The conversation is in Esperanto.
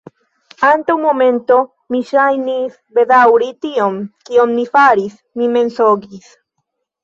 Antaŭ momento, mi ŝajnis bedaŭri tion, kion mi faris: mi mensogis.